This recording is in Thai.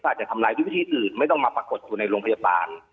เขาอาจจะทำลายที่อื่นไม่ต้องมาปรากฏอยู่ในโรงพยาบาล